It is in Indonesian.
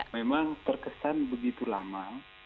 memang terkesan begitu lama